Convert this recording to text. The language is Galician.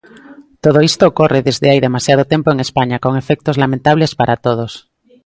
Todo isto ocorre desde hai demasiado tempo en España, con efectos lamentables para todos.